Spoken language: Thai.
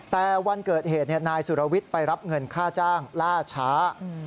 แต่วันเกิดเหตุนายสุรวิทย์ไปรับเงินค่าจ้างล่าช้า